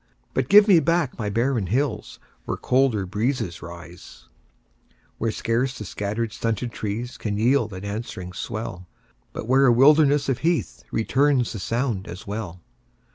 But give me back my barren hills Where colder breezes rise; Where scarce the scattered, stunted trees Can yield an answering swell, But where a wilderness of heath Returns the sound as well.